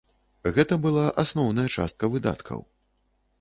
Гэта была асноўная частка выдаткаў.